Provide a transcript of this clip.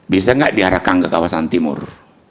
bisa nggak diarahkan ke kawasan timur